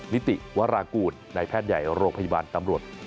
นิติวรากูลนายแพทย์ใหญ่โรงพยาบาลตำรวจ